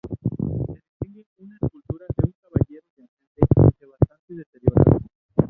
Se distingue una escultura de un caballero yacente, aunque bastante deteriorada.